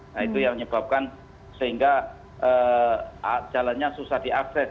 nah itu yang menyebabkan sehingga jalannya susah diakses